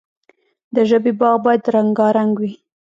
د ژبې باغ باید رنګارنګ وي.